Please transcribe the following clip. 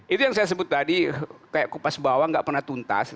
itu yang saya sebut tadi kayak kupas bawah nggak pernah tuntas